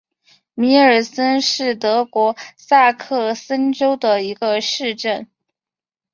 米尔森是德国萨克森州的一个市镇。